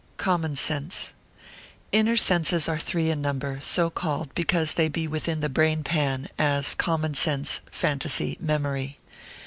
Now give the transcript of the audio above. _ Common Sense.] Inner senses are three in number, so called, because they be within the brainpan, as common sense, phantasy, memory.